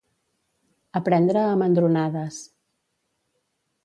Aprendre a mandronades.